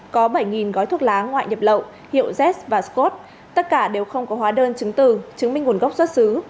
có bảy gói thuốc lá ngoại nhập lậu hiệu z và scott tất cả đều không có hóa đơn chứng từ chứng minh nguồn gốc xuất xứ